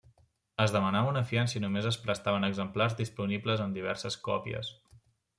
Es demanava una fiança i només es prestaven exemplars disponibles en diverses còpies.